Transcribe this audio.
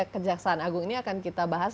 ke jeksaksan agung ini akan kita bahas